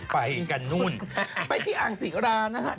ไปกันนู่นไปที่อ่างศิรานะฮะ